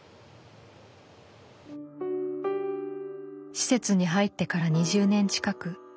施設に入ってから２０年近く。